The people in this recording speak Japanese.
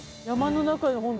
山の中よ